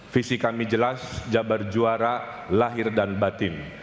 visi kami jelas jabar juara lahir dan batin